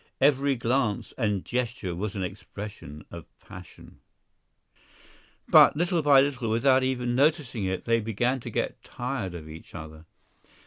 Every glance and gesture was an expression of passion. But, little by little, without even noticing it, they began to get tired of each other.